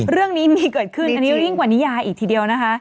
เรื่องนี้มีเกิดขึ้นอันนี้ยิ่งกว่านิยายอีกทีเดียวนะคะ